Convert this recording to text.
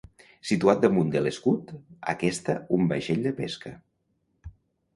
Situat damunt de l'escut aquesta un vaixell de pesca.